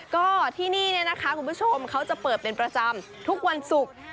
ก็ที่นี่เนี่ยนะคะคุณผู้ชมเขาจะเปิดเป็นประจำทุกวันศุกร์